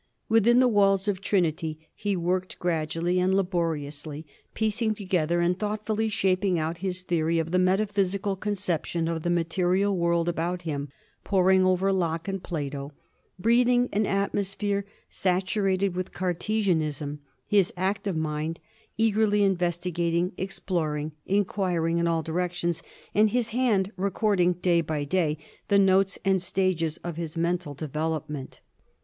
Within the walls of Trinity he worked, grad ually and laboriously piecing together and thoughtfully shaping out his theory of the metaphysical conception of the material world about him ; poring over Locke and Plato, breathing an atmosphere saturated with Cartesian ism, his active mind eagerly investigating, exploring, in quiring in all directions, and his hand recording day by day the notes and stages of his mental development.